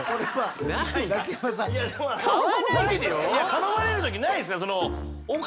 頼まれる時ないですか？